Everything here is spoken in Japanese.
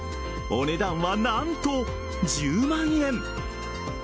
お値段は何と１０万円。